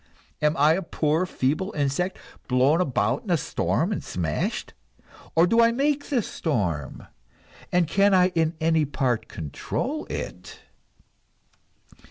Am I a poor, feeble insect, blown about in a storm and smashed? Or do I make the storm, and can I in any part control it?"